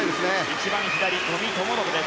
一番左、五味智信です。